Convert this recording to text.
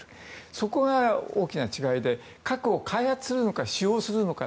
そこが大きな違いで核を開発するのか使用するのか。